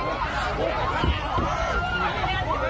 ตอนนี้ก็ไม่มีอัศวินทรีย์ที่สุดขึ้นแต่ก็ไม่มีอัศวินทรีย์ที่สุดขึ้น